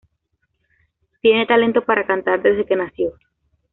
Tiene talento para cantar desde que nació.